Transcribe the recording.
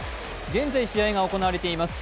現在試合が行われています